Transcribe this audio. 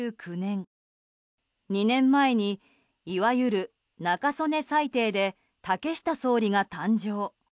２年前に、いわゆる中曽根裁定で竹下総理が誕生。